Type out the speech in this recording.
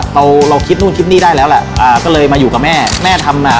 เราเราคิดนู่นคิดนี่ได้แล้วแหละอ่าก็เลยมาอยู่กับแม่แม่ทำน่ะ